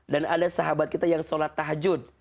dan ada sahabat kita yang sholat tahajud